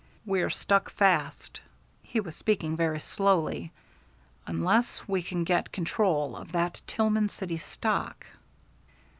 "We're stuck fast" he was speaking very slowly "unless we can get control of that Tillman City stock."